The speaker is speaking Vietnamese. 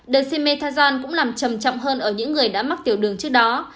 dexamethasone cũng làm trầm trọng hơn ở những người đã mắc tiểu đường trước đó